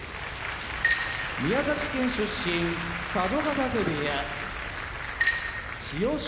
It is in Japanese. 宮崎県出身佐渡ヶ嶽部屋千代翔